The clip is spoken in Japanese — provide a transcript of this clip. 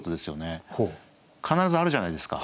必ずあるじゃないですか。